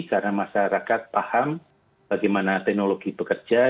karena masyarakat paham bagaimana teknologi bekerja